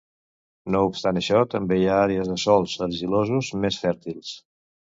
No obstant això, també hi ha àrees de sòls argilosos més fèrtils.